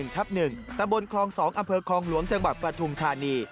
ทับ๑ตะบนคลอง๒อำเภอคลองหลวงจังหวัดปฐุมธานี